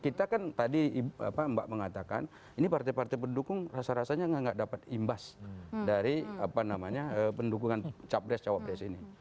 kita kan tadi mbak mengatakan ini partai partai pendukung rasa rasanya nggak dapat imbas dari pendukungan capres cawapres ini